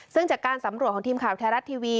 ซึ่งจากการสำรวจของทีมข่าวไทยรัฐทีวี